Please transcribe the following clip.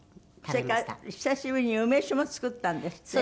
それから久しぶりに梅酒も作ったんですって？